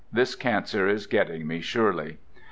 This cancer is getting me surely.